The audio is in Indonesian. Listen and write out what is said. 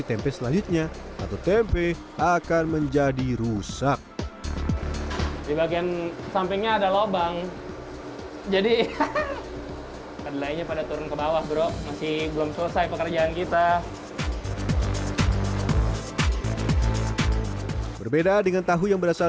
sekarang kedelai sengaja diberi ragi supaya berjamur